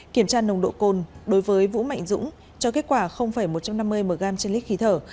kiểm tra nồng độ cồn đối với vũ mạnh dũng cho kết quả một trăm năm mươi mg trên lít khí thở